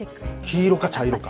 黄色か茶色か。